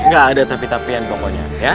gak ada tapi tapian pokoknya ya